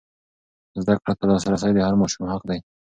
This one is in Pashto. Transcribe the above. زده کړې ته لاسرسی د هر ماشوم حق دی.